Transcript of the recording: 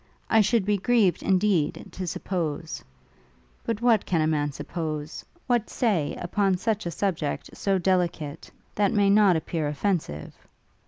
I should be grieved, indeed, to suppose but what can a man suppose, what say, upon a subject so delicate that may not appear offensive?